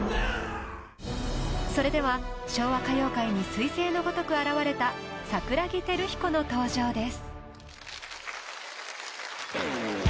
それでは昭和歌謡界に彗星のごとく現れた桜木輝彦の登場です。